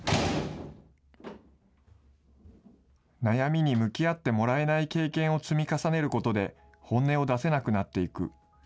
悩みに向き合ってもらえない経験を積み重ねることで、本音を出せなくなっていく。